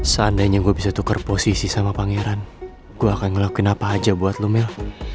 seandainya gue bisa tukar posisi sama pangeran gue akan ngelakuin apa aja buat lumel